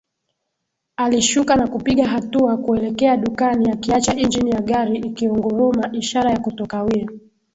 Alishuka na kupiga hatua kuelekea dukani akiacha injini ya gari ikiunguruma ishara ya kutokawia